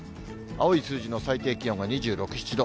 青い数字の最低気温は２６、７度。